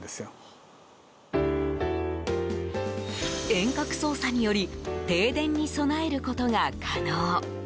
遠隔操作により停電に備えることが可能。